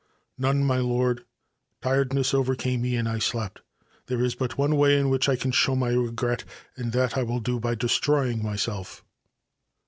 ' None, my lord : tired ness overcame me and I slept. There is but one way in which I can show my regret, and that I will do by destroying myself.'